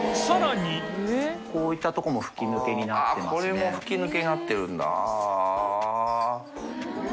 これも吹き抜けになってるんだあっ。